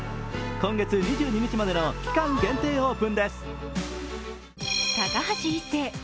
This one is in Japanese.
今月２２日までの期間限定オープンです。